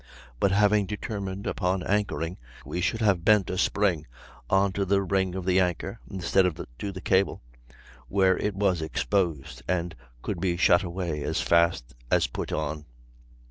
But having determined upon anchoring we should have bent a spring on to the ring of the anchor, instead of to the cable, where it was exposed, and could be shot away as fast as put on."